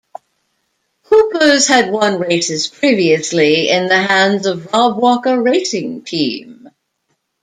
Coopers had won races previously in the hands of Rob Walker Racing Team.